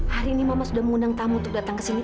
hari ini mama sudah mengundang tamu untuk datang ke sini